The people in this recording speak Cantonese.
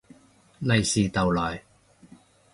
利是逗來